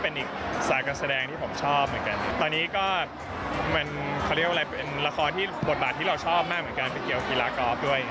ไปเกี่ยวกีฬากอล์ฟด้วย